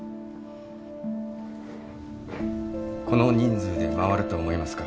この人数で回ると思いますか？